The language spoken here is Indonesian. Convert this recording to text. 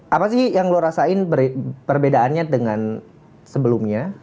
apa sih yang lo rasain perbedaannya dengan sebelumnya